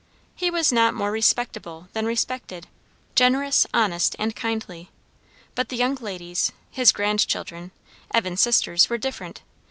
He was not more respectable than respected; generous, honest, and kindly. But the young ladies, his grandchildren, Evan's sisters, were different.